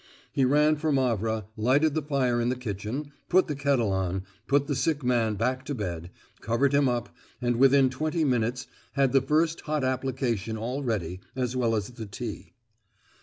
He ran for Mavra, lighted the fire in the kitchen, put the kettle on, put the sick man back to bed, covered him up, and within twenty minutes had the first hot application all ready, as well as the tea.